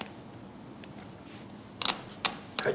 はい。